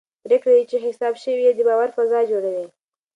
پرېکړې چې حساب شوي وي د باور فضا جوړوي